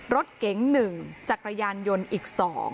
รถเก๋ง๑จักรยานยนต์อีก๒